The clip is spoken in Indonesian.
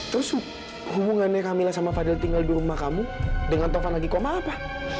terus hubungannya kamila sama fadil tinggal di rumah kamu dengan tovan lagi koma apa